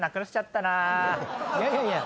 いやいやいや。